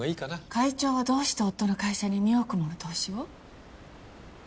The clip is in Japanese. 会長はどうして夫の会社に２億もの投資を？